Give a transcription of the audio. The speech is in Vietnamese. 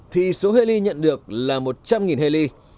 thì số heli nhận được là một trăm linh nghìn heli